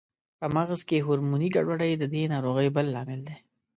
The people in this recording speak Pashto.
په مغز کې هورموني ګډوډۍ د دې ناروغۍ بل لامل دی.